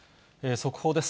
速報です。